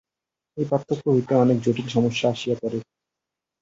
এই পার্থক্য হইতে অনেক জটিল সমস্যা আসিয়া পড়ে।